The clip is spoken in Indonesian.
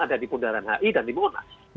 ada di bundaran hi dan di monas